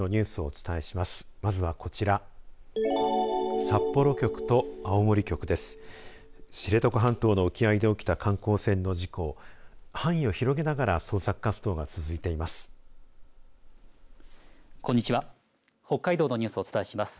知床半島の沖合で起きた観光船の事故範囲を広げながら捜索活動が続いています。